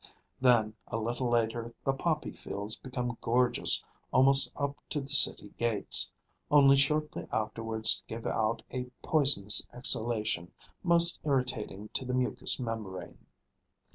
Then a little later the poppy fields become gorgeous almost up to the city gates, only shortly afterwards to give out a poisonous exhalation most irritating to the mucous membrane.